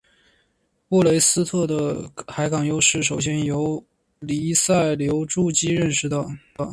布雷斯特的海港优势首先由黎塞留枢机认识到。